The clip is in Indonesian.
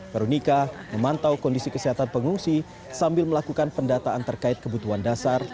veronica memantau kondisi kesehatan pengungsi sambil melakukan pendataan terkait kebutuhan dasar